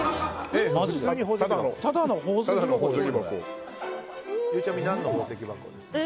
ただの宝石箱ですよ。